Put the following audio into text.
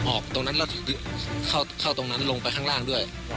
ออกตรงนั้นแล้วเข้าตรงนั้นลงไปข้างล่างด้วย